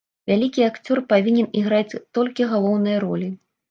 Вялікі акцёр павінен іграць толькі галоўныя ролі.